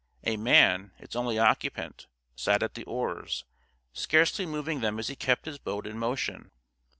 A man, its only occupant, sat at the oars, scarcely moving them as he kept his boat in motion.